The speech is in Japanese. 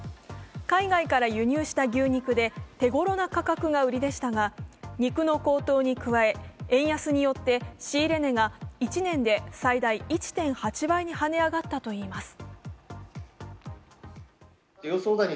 海外から輸入した牛肉で手ごろな価格が売りでしたが、肉の高騰に加え、円安によって仕入れ値が１年で最大１．８倍にまで跳ね上がったといいます。